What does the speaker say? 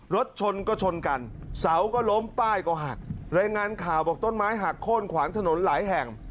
รถชนก็ชนกันเสาก็ล้มป้ายก็หักรายงานข่าวบอกต้นไม้หักโค้นขวางถนนหลายแห่ง